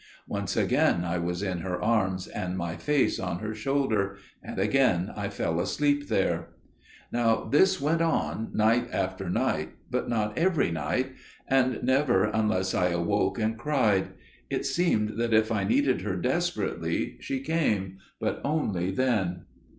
Once again I was in her arms, and my face on her shoulder. And again I fell asleep there. "Now this went on night after night, but not every night, and never unless I awoke and cried. It seemed that if I needed her desperately she came, but only then.